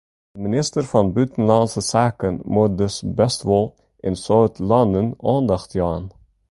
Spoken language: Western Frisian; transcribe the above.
De minister fan Bûtenlânske Saken moat dus bêst wol in soad lannen oandacht jaan.